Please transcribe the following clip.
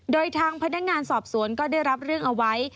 โดยทางพนักงานสอบสวนก็ได้รับเรื่องเอาไว้